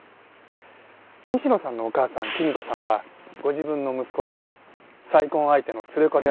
西野さんのお母さんきみ子さんはご自分の息子と再婚相手の連れ子である娘さん